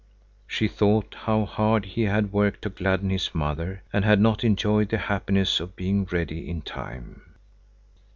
She thought how hard he had worked to gladden his mother and had not enjoyed the happiness of being ready in time.